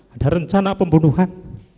ada rencana pembunuhan